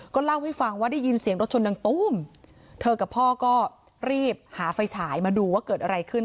เล่าให้ฟังว่าได้ยินเสียงรถชนดังตู้มเธอกับพ่อก็รีบหาไฟฉายมาดูว่าเกิดอะไรขึ้น